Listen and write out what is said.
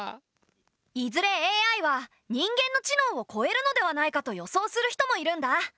いずれＡＩは人間の知能をこえるのではないかと予想する人もいるんだ。